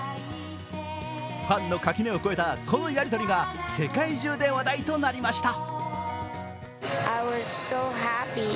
ファンの垣根を越えたこのやり取りが世界中で話題となりました。